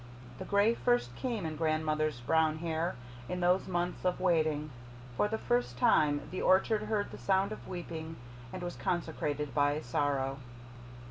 The gray first came in grandmother's brown hair in those months of waiting. The, for the first time, the orchard heard the sound of weeping and was consecrated by a sorrow.